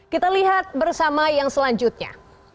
kita lihat bersama yang selanjutnya